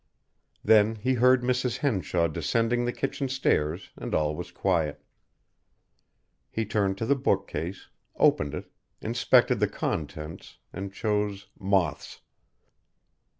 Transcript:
Then he heard Mrs. Henshaw descending the kitchen stairs and all was quiet. He turned to the bookcase, opened it, inspected the contents, and chose "Moths."